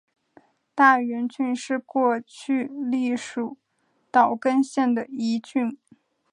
大原郡是过去隶属岛根县的一郡。